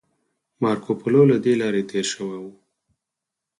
مارکوپولو له دې لارې تیر شوی و